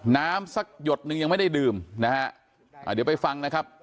น้ำสักหยดนึงยังไม่ได้ดื่มนะฮะอ่าเดี๋ยวไปฟังนะครับ